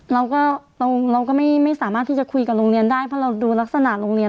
เราก็เราก็ไม่สามารถที่จะคุยกับโรงเรียนได้เพราะเราดูลักษณะโรงเรียน